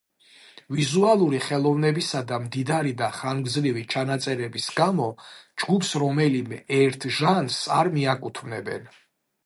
ვიზუალური ხელოვნებისა და მდიდარი და ხანგრძლივი ჩანაწერების გამო ჯგუფს რომელიმე ერთ ჟანრს არ მიაკუთვნებენ.